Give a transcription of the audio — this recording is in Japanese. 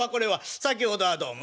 先ほどはどうも。